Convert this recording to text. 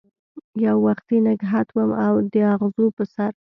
یووختي نګهت وم داغزو په سر